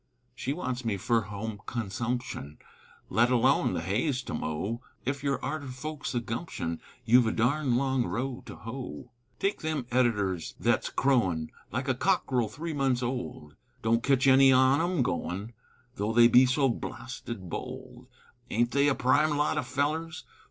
She wants me fer home consumption, Let alone the hay's to mow, Ef you're arter folks o' gumption, You've a darned long row to hoe. Take them editors thet's crowin' Like a cockerel three months old, Don't ketch any on 'em goin', Though they be so blasted bold; Aint they a prime lot o' fellers?